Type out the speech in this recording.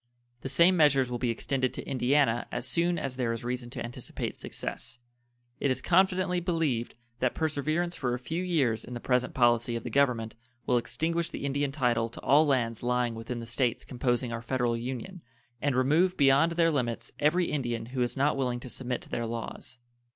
The same measures will be extended to Indiana as soon as there is reason to anticipate success. It is confidently believed that perseverance for a few years in the present policy of the Government will extinguish the Indian title to all lands lying within the States composing our Federal Union, and remove beyond their limits every Indian who is not willing to submit to their laws.